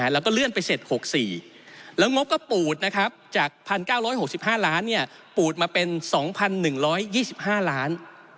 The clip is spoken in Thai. แล้วก็เลื่อนไปเสร็จ๖๔แล้วงบก็ปูดนะครับจาก๑๙๖๕ล้านปูดมาเป็น๒๑๒๕ล้าน